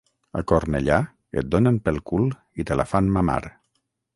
A Cornellà et donen pel cul i te la fan mamar.